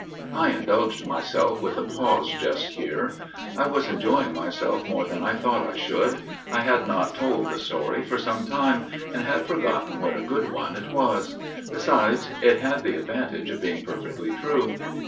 I indulged myself with a pause just here. I was enjoying myself more than I thought I should. I had not told the story for some while ; and had forgotten what a good one it was. Besides, it had the advantage of being perfectly true.